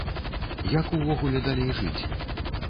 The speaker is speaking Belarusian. Як увогуле далей жыць?